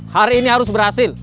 hari ini harus berhasil